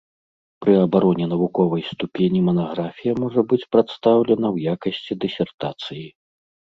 Пры абароне навуковай ступені манаграфія можа быць прадстаўлена ў якасці дысертацыі.